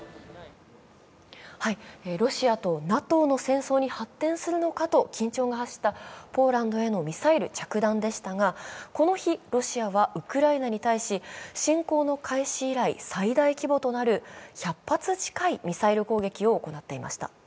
ロシアとＮＡＴＯの戦争に発展するのかと緊張が走ったポーランドへのミサイル着弾でしたが、この日、ロシアはウクライナに対し、侵攻の開始以来、最大規模となる１００発近いミサイル攻撃を行っていました。